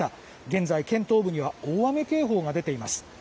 現在、県東部には大雨警報が出ています。